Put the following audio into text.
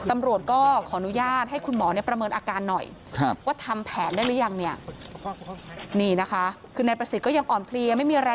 ไม่มีพี่ประสิทธิ์